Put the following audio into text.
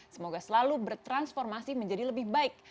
semoga selalu bertransformasi menjadi lebih baik